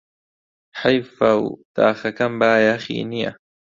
حەیفه و داخەکەم بایەخی نییە